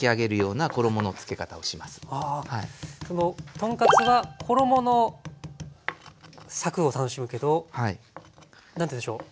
豚カツは衣のサクッを楽しむけど何ていうんでしょう。